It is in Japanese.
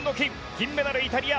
銀メダル、イタリア。